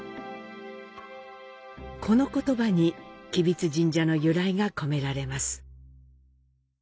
この言葉に吉備津神社の由来が込められます。